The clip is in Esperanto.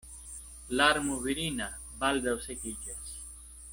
Larmo virina baldaŭ sekiĝas.